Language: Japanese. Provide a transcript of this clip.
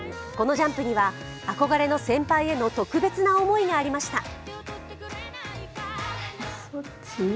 このジャンプには、憧れの先輩への特別な思いがありました。